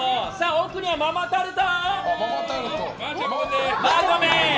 奥にはママタルト。